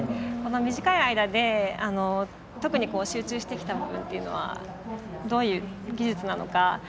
短い間で特に集中してきた部分というのはどういう技術なのか。